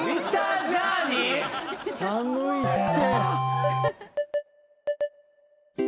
寒いって。